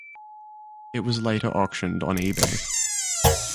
It was later auctioned on eBay.